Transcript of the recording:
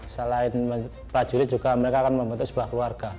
selain prajurit juga mereka akan membentuk sebuah keluarga